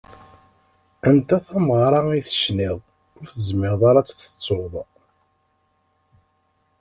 Anta tameɣra i tecniḍ, ur tezmireḍ ara ad tt-tettuḍ?